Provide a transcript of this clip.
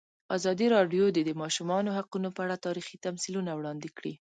ازادي راډیو د د ماشومانو حقونه په اړه تاریخي تمثیلونه وړاندې کړي.